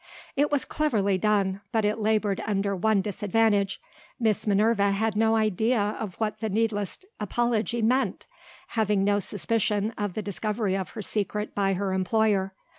It was cleverly done, but it laboured under one disadvantage. Miss Minerva had no idea of what the needless apology meant, having no suspicion of the discovery of her secret by her employer.